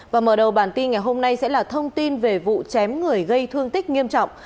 và mở đầu bản tin ngày hôm nay sẽ là thông tin về vụ chém người gây thương tích nghiêm trọng